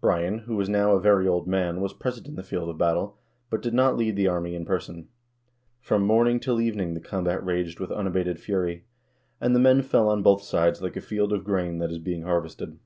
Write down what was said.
Brian, who was now a very old man, was present on the field of battle, but did not lead the army in person. From morning till evening the combat raged with unabated fury, and the men fell on both sides like a field of grain that is being harvested.